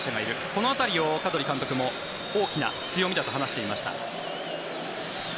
この辺りを、カドリ監督も大きな強みだと話していました。